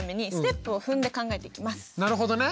なるほどね。